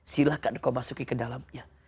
silahkan kau masuk ke dalamnya